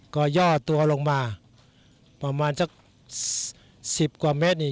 ก็ย่อตัวลงมาประมาณสัก๑๐กว่าเมตรนี่